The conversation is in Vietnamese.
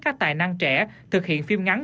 các tài năng trẻ thực hiện phim ngắn